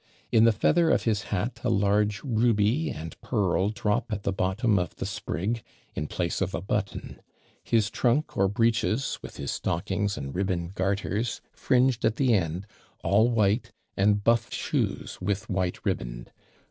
In the feather of his hat a large ruby and pearl drop at the bottom of the sprig, in place of a button; his trunk or breeches, with his stockings and riband garters, fringed at the end, all white, and buff shoes with white riband.